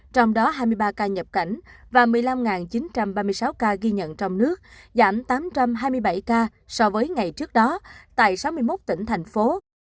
trong đó hai mươi ba ca nhập cảnh và một mươi năm chín trăm ba mươi sáu ca ghi nhận trong nước giảm tám trăm hai mươi bảy ca so với ngày trước đó tại sáu mươi một tỉnh thành phố